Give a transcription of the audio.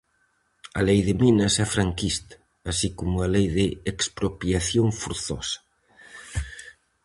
A lei de minas é franquista, así como a lei de expropiación forzosa.